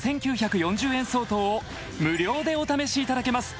５９４０円相当を無料でお試しいただけます